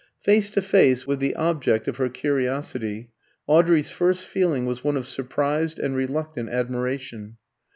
Face to face with the object of her curiosity, Audrey's first feeling was one of surprised and reluctant admiration.